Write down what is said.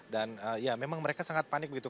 dan ya memang mereka sangat panik begitu